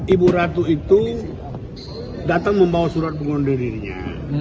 ibu ratu itu datang membawa surat pengunduran dirinya